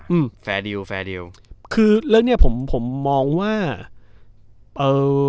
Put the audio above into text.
อืมแฟร์ดิวแฟร์ดิวคือเรื่องเนี้ยผมผมมองว่าเอ่อ